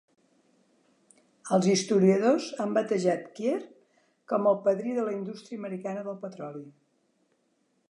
Els historiadors han batejat Kier com el "Padrí de la indústria americana del petroli".